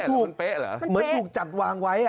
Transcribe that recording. เหมือนถูกจัดวางไว้